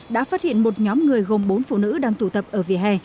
đã phát hiện một nhóm người gồm bốn phụ nữ đang tụ tập ở vỉa hè